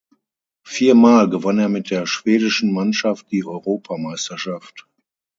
Viermal gewann er mit der schwedischen Mannschaft die Europameisterschaft.